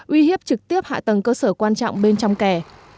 uy hiếp trực tiếp hạ tầng cơ sở quan trọng bên trong kè